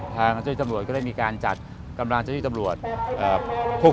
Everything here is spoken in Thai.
ทางเจ้าชีวิตตำรวจก็เลยมีการจัดกำลังเจ้าชีวิตตำรวจ